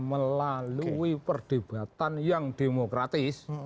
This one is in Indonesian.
melalui perdebatan yang demokratis